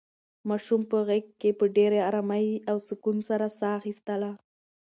ماشوم په غېږ کې په ډېرې ارامۍ او سکون سره ساه اخیستله.